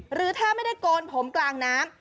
หรือถ้าไม่ได้โกนผมกลางน้ำ